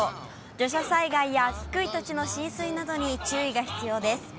土砂災害や低い土地の浸水などに注意が必要です。